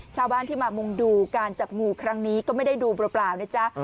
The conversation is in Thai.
ชาวบ้านที่มามุงดูการจับงูครั้งนี้ก็ไม่ได้ดูเปล่านะจ๊ะ